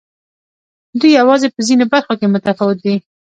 دوی یوازې په ځینو برخو کې متفاوت دي.